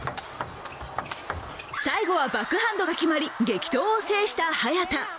最後はバックハンドが決まり激闘を制した早田。